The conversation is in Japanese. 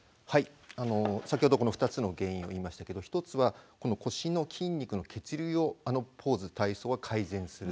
先程２つの原因を言いましたが１つは腰の筋肉の血流をあのポーズ、体操は改善する。